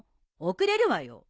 遅れるわよ。